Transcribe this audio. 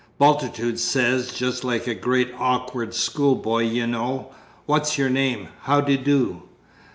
"Bultitude says, just like a great awkward schoolboy, y'know, 'What's your name? How d'ye do?